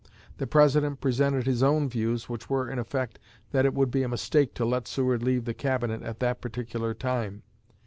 The President presented his own views, which were, in effect, that it would be a mistake to let Seward leave the Cabinet at that particular time.